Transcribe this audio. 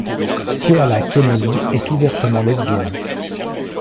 Keala Kennelly est ouvertement lesbienne.